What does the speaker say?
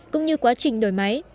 cũng như quá trình đổi máy